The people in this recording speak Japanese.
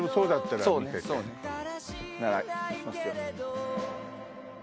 なら行きますよ。